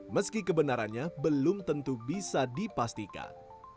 meski kebenarannya belum tentu bisa dipastikan